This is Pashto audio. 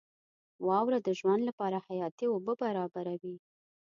• واوره د ژوند لپاره حیاتي اوبه برابروي.